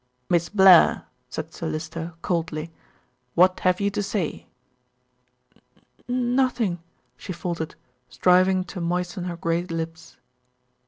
"Miss Blair," said Sir Lyster coldly, "what have you to say?" "N nothing," she faltered, striving to moisten her grey lips.